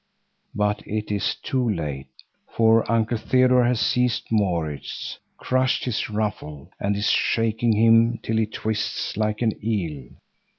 But it is too late, for Uncle Theodore has seized Maurits, crushed his ruffle, and is shaking him till he twists like an eel.